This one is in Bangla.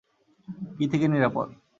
কী থেকে নিরাপদ?